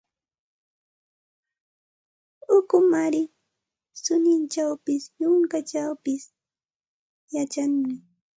Ukumaari suninchawpis, yunkachawpis yachanmi.